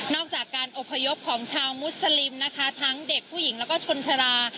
จากการอบพยพของชาวมุสลิมนะคะทั้งเด็กผู้หญิงแล้วก็ชนชรา